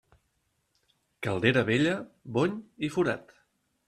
Caldera vella, bony i forat.